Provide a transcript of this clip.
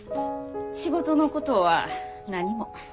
仕事のことは何も。